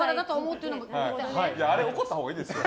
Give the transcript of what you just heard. あれ、怒ったほうがいいですよ。